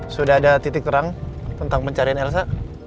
sudah ada titik terang tentang pencarian elsa